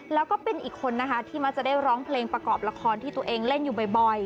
แล้วก็เป็นอีกคนนะคะที่มักจะได้ร้องเพลงประกอบละครที่ตัวเองเล่นอยู่บ่อย